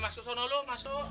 masuk sana lu masuk